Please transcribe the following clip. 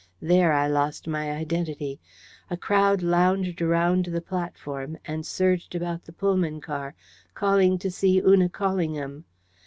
There I lost my identity. A crowd lounged around the platform, and surged about the Pullman car, calling to see "Una Callingham."